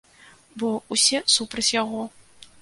Бо ўсе супраць яго.